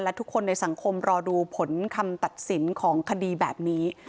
และทุกคนในสังคมรอดูผลคำตัดสินของคดีแบบนี้